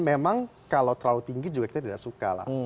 memang kalau terlalu tinggi juga kita tidak suka lah